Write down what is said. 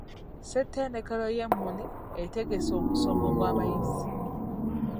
Ssettendekero y'e Muni etegese omusomo gw'abayizi.